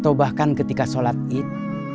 atau bahkan ketika sholat id